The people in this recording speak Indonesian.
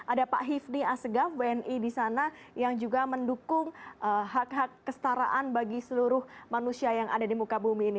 ada pak hivni asegaf wni di sana yang juga mendukung hak hak kestaraan bagi semua orang